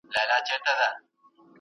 زه هره ورځ کتابونه وړم.